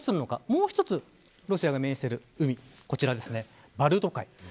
もう一つ、ロシアが面している海こちら、バルト海です。